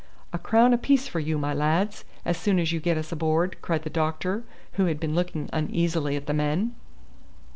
"A crown apiece for you, my lads, as soon as you get us aboard," cried the doctor, who had been looking uneasily at the men.